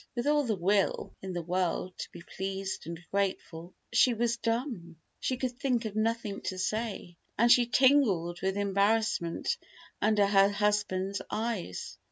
With all the will in the world to be pleased and grateful, she was dumb. She could think of nothing to say; and she tingled with embarrassment under her husband's eyes.